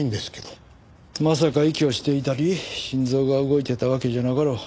まさか息をしていたり心臓が動いていたわけじゃなかろう。